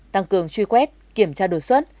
tăng cường truy quét kiểm tra đột xuất